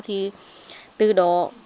thì từ đó